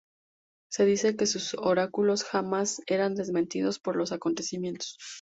Se dice que sus oráculos jamás eran desmentidos por los acontecimientos.